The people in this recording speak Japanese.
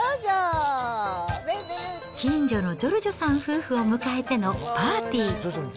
近所のジョルジョさん夫婦を迎えてのパーティー。